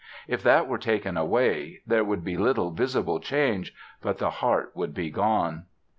If that were taken away, there would be little visible change; but the heart would be gone.